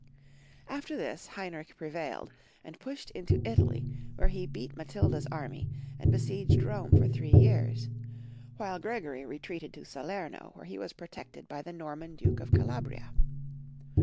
After this Heinrich prevailed, and pushed into Italy, where he beat Matilda's army, and besieged Rome for three years ; wliile Gregory retreated to SaleiTxo, where he was protected by the Norman Duke of Calabria.